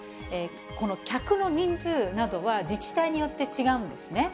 この客の人数などは、自治体によって違うんですね。